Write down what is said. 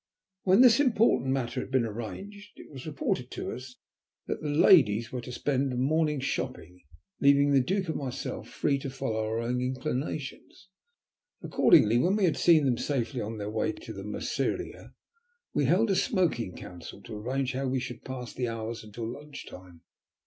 When this important matter had been arranged, it was reported to us that the ladies were to spend the morning shopping, leaving the Duke and myself free to follow our own inclinations. Accordingly, when we had seen them safely on their way to the Merceria, we held a smoking council to arrange how we should pass the hours until lunch time.